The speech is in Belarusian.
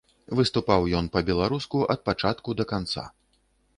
Выступаў ён па-беларуску ад пачатку да канца.